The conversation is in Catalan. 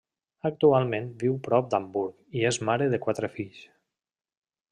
Actualment viu prop d'Hamburg i és mare de quatre fills.